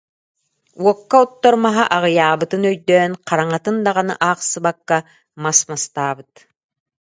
Уокка оттор маһа аҕыйаабытын өйдөөн, хараҥатын даҕаны аахсыбакка, мас мастаабыт